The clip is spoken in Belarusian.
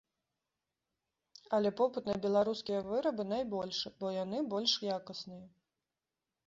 Але попыт на беларускія вырабы найбольшы, бо яны больш якасныя.